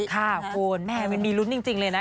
คุณแม่มันมีลุ้นจริงเลยนะ